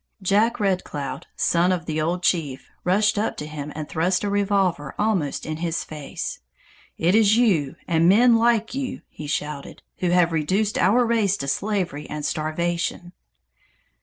Jack Red Cloud, son of the old chief rushed up to him and thrust a revolver almost in his face. "It is you and men like you," he shouted, "who have reduced our race to slavery and starvation!"